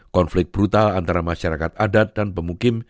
konflik brutal antara masyarakat adat dan pemukim